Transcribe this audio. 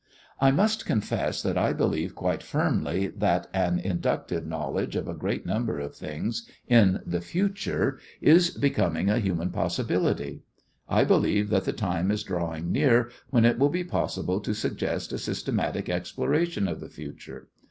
I must confess that I believe quite firmly that an inductive knowledge of a great number of things in the future is becoming a human possibility. I believe that the time is drawing near when it will be possible to suggest a systematic exploration of the future.